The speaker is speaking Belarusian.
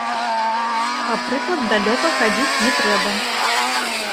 Па прыклад далёка хадзіць не трэба.